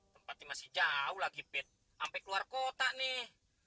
tepatnya masih jauh lagi ampe keluar kota nih